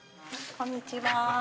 こんにちは。